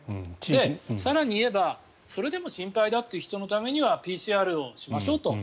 更に言えばそれでも心配だという人のためにはＰＣＲをしましょうと。